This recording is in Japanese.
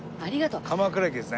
鎌倉駅ですね。